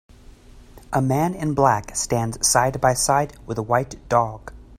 A man in black stands side by side with a white dog.